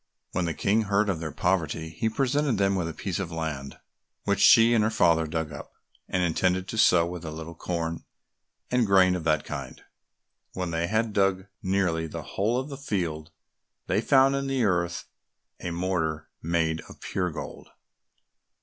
When the King heard of their poverty, he presented them with a piece of land, which she and her father dug up, and intended to sow with a little corn and grain of that kind. When they had dug nearly the whole of the field, they found in the earth a mortar made of pure gold.